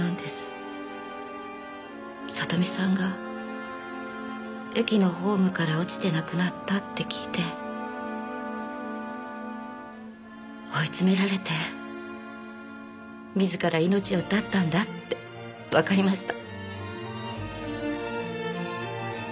聡美さんが駅のホームから落ちて亡くなったって聞いて追い詰められて自ら命を絶ったんだってわかりました。